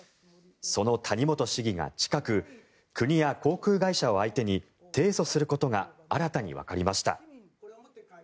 その谷本市議が近く、国や航空会社を相手に提訴することが新たにわかりました。